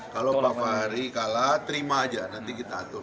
kalau pak fahri kalah terima aja nanti kita atur